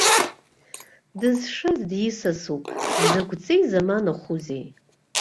Дызшаз дисасуп, дзакә ҵеи заманахәузеи.